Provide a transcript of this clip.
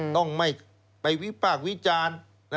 ต้องไม่ไปวิพากษ์วิจารณ์